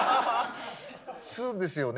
そうですよね。